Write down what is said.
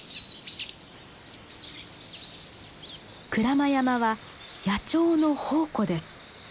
鞍馬山は野鳥の宝庫です。